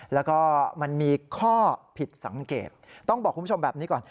แล้วก็มันมีข้อผิดสังเกตต้องบอกคุณผู้ชมแบบนี้ก่อน